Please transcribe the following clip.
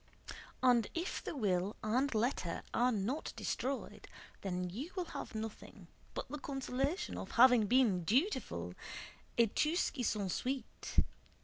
And if the will and letter are not destroyed, then you will have nothing but the consolation of having been dutiful et tout ce qui s'ensuit!